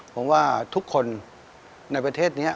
ผมว่าทุกคนในประเทศนี้